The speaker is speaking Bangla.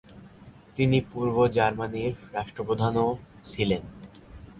তিনি পূর্ব জার্মানির রাষ্ট্রপ্রধানও ছিলেন।